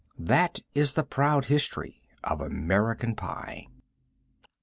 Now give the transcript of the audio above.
That is the proud history of American pie.